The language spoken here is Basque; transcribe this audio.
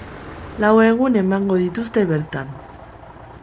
Lau egun emango dituzte bertan.